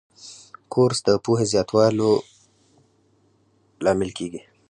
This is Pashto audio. کورس د پوهې زیاتولو لامل کېږي.